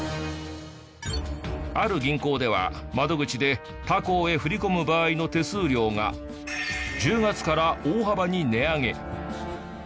ある銀行では窓口で他行へ振り込む場合の手数料が１０月から大幅に値上げ。